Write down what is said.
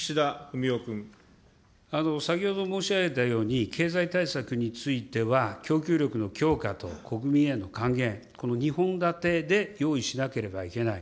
先ほど申し上げたように、経済対策については、供給力の強化と国民への還元、この２本立てで用意しなければいけない。